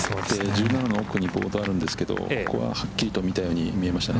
１７の奥にボードがあるんですけど、ここがはっきりと見たように見えました。